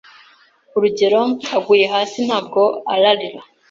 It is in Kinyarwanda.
urugero aguye hasi nabwo ararira